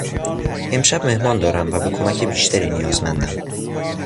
امشب مهمان دارم و به کمک بیشتری نیازمندم.